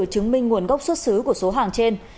chứng minh nguồn gốc xuất xứ của số hàng trên